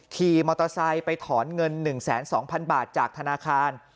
ขี่มอเตอร์ไซค์ไปถอนเงิน๑๒๐๐๐บาทจากธนาคาร